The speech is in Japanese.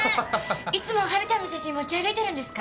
いつもハルちゃんの写真持ち歩いてるんですか？